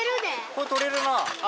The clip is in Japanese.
これ取れるなあ。